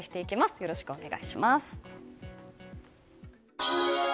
よろしくお願いします。